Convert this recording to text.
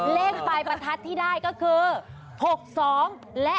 เลขปลายประทัดที่ได้ก็คือ๖๒และ